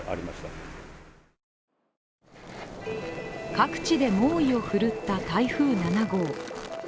各地で猛威を振るった台風７号。